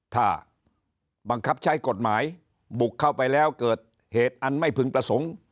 ถ้าบังคับใช้กฎหมายบุกเข้าไปแล้วเกิดเหตุอันไม่พึงประสงค์